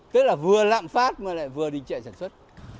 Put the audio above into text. tức là vừa lạm phát mà lại vừa đình trệ sản xuất